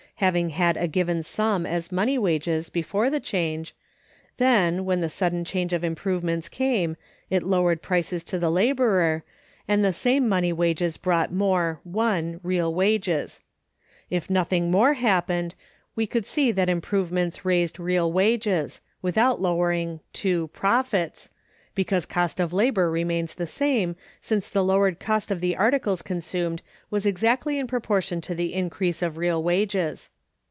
Having had a given sum as money wages before the change, then, when the sudden change of improvements came, it lowered prices to the laborer, and the same money wages bought more (1) real wages. If nothing more happened, we could see that improvements raised real wages—without lowering (2) profits (because cost of labor remains the same, since the lowered cost of the articles consumed was exactly in proportion to the increase of real wages).